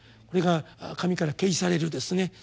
これが神から啓示されるですね